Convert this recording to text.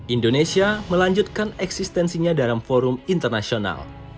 indonesia melanjutkan eksistensinya dalam forum internasional